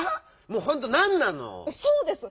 もうほんと「なん」なの⁉そうです！